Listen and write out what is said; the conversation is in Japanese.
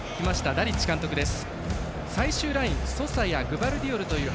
ダリッチ監督です。